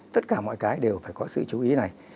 tất cả mọi cái đều phải có sự chú ý này